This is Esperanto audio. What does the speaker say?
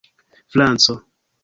franco